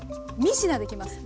３品できます。